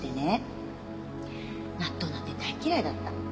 納豆なんて大嫌いだった。